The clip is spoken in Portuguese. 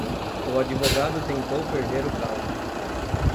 O advogado tentou perder o caso.